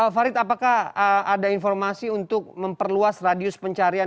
farid apakah ada informasi untuk memperluas radius pencarian